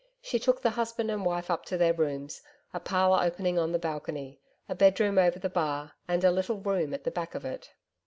She took the husband and wife up to their rooms, a parlour opening on the balcony, a bedroom over the bar and a little room at the back of it.